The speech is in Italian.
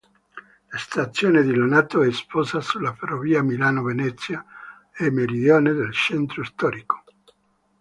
La stazione di Lonato è posta sulla ferrovia Milano-Venezia a meridione del centro storico.